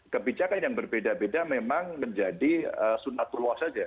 kebijakan yang berbeda beda memang menjadi sunatullah saja